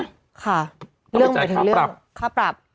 ต้องไปจ่ายค่าปรับหนึ่งค่าปรับ